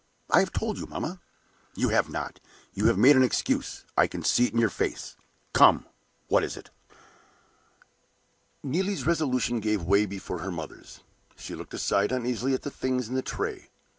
"I have told you, mamma." "You have not! You have made an excuse; I see it in your face. Come! what is it?" Neelie's resolution gave way before her mother's. She looked aside uneasily at the things in the tray.